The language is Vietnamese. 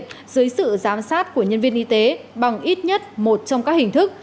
xét nghiệm kháng nguyên âm sát của nhân viên y tế bằng ít nhất một trong các hình thức